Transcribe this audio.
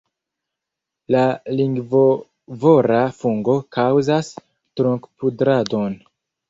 La lingvovora fungo kaŭzas trunkpudradon.